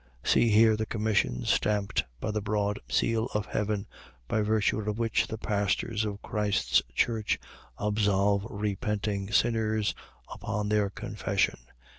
.See here the commission, stamped by the broad seal of heaven, by virtue of which the pastors of Christ's church absolve repenting sinners upon their confession.